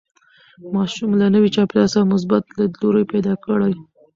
ماشوم له نوي چاپېریال سره مثبت لیدلوری پیدا کړي.